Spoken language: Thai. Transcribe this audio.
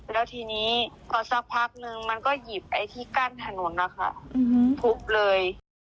แล้วทีนี้พอสักพักนึงมันก็หยิบไอ้ที่กั้นถนนนะคะทุบเลย